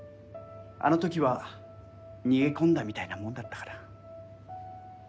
あのときは逃げ込んだみたいなもんだったから。